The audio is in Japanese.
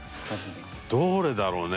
どれだろうね？